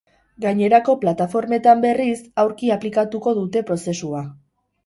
Gainerako plataformetan, berriz, aurki aplikatuko dute prozesua.